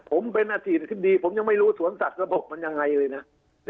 ผมเป็นอดีตอธิบดีผมยังไม่รู้สวนสัตว์ระบบมันยังไงเลยนะ